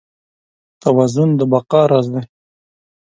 توازن د بقا راز دی.